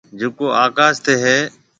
جڪو آڪاش تي هيَ۔